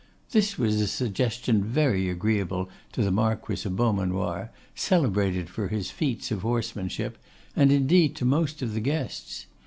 This was a suggestion very agreeable to the Marquess of Beaumanoir, celebrated for his feats of horsemanship, and, indeed, to most of the guests.